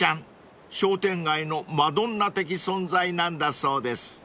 ［商店街のマドンナ的存在なんだそうです］